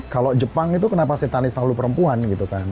kalau jepang itu kenapa setani selalu perempuan gitu kan